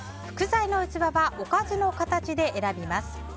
副菜の器はおかずの形で選びます。